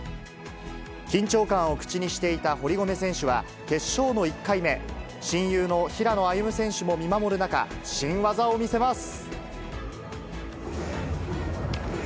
緊張感を口にしていた堀米選手は、決勝の１回目、親友の平野歩夢選手も見守る中、新技を見せます。